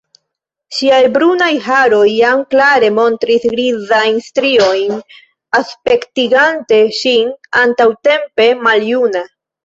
Ŝiaj brunaj haroj jam klare montris grizajn striojn, aspektigante ŝin antaŭtempe maljuna.